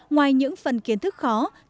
ngoài những phần kiến thức khóa